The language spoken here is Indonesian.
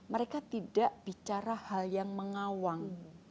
mereka tidak bicara hal yang mengawang